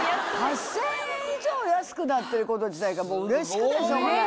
８０００円以上安くなってること自体がうれしくてしょうがない。